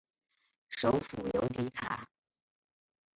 首府由提卡。